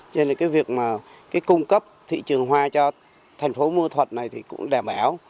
cho nên là cái việc mà cái cung cấp thị trường hoa cho thành phố mưa thuật này thì cũng đảm bảo